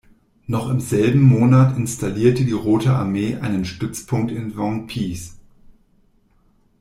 Noch im selben Monat installierte die Rote Armee einen Stützpunkt in Ventspils.